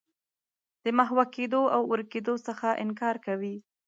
له محوه کېدو او ورکېدو څخه انکار کوي.